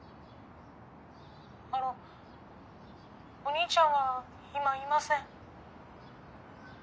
あのお兄ちゃんは今いません。